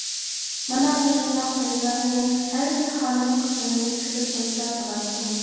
مانا مۇشۇنداق تېمىلارنى ھەر بىر خانىم-قىزلىرىمىز كۆرۈپ قويسا بولاتتى.